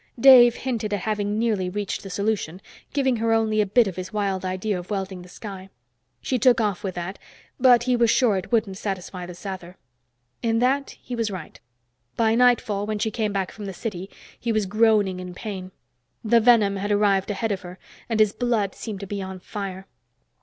Dave hinted at having nearly reached the solution, giving her only a bit of his wild idea of welding the sky. She took off with that, but he was sure it wouldn't satisfy the Sather. In that, he was right. By nightfall, when she came back from the city, he was groaning in pain. The venom had arrived ahead of her, and his blood seemed to be on fire.